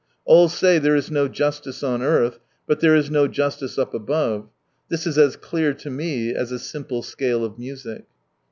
" All say, there is no justice on ^rth ; but there is no justice up above : this is as clear to me as a simple scale of music."